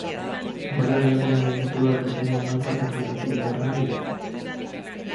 Aurrelariak ondo gainditu du atezaina hamaika metroetatik bigarrena egiteko.